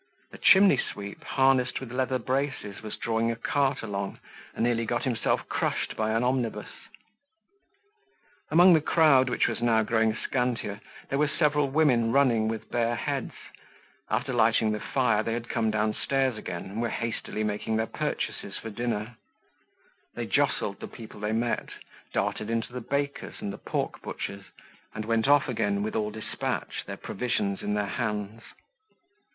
A chimney sweep, harnessed with leather braces, was drawing a cart along, and nearly got himself crushed by an omnibus. Among the crowd which was now growing scantier, there were several women running with bare heads; after lighting the fire, they had come downstairs again and were hastily making their purchases for dinner; they jostled the people they met, darted into the bakers' and the pork butchers', and went off again with all despatch, their provisions in their hands.